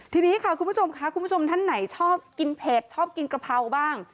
ทีนี้ค่ะคุณผู้ชมค่ะคุณผู้ชมท่านไหนชอบกินเผ็ดชอบกินกะเพราบ้าง